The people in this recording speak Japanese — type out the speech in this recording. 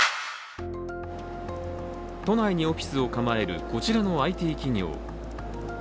都内にオフィスを構えるこちらのＩＴ企業。